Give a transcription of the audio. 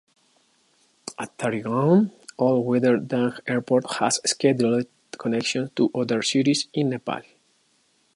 At Tarigaun, all-weather Dang Airport has scheduled connections to other cities in Nepal.